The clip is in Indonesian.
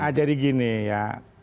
nah jadi gini ya